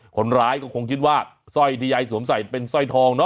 คนร้ายก็คงคิดว่าสร้อยที่ยายสวมใส่เป็นสร้อยทองเนอ